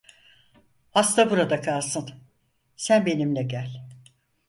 Hasta burada kalsın, sen benimle gel!